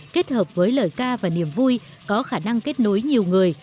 kết hợp với lời ca và niềm vui có khả năng kết nối nhiều người